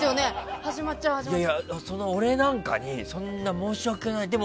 いやいや、俺なんかにそんな申し訳ない。